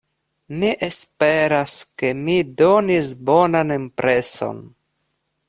Mi esperas, ke mi donis bonan impreson.